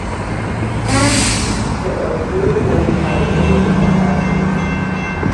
There are three main categories of offerings.